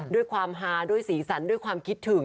ด้วยความฮาด้วยสีสันด้วยความคิดถึง